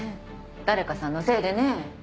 誰かさんのせいでね。